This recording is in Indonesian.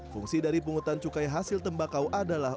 fungsi dari pungutan cukai hasil tembakau adalah